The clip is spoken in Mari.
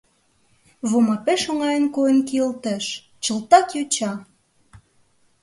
Вома пеш оҥайын койын кийылтеш: чылтак йоча!